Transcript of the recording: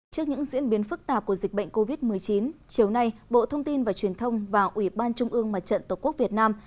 trước những diễn biến phức tạp của dịch bệnh covid một mươi chín chiều nay bộ thông tin và truyền thông và ủy ban trung ương mặt trận tổ quốc việt nam